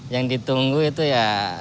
yang ditunggu itu ya